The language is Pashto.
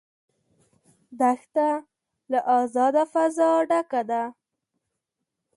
دښته له آزاده فضا ډکه ده.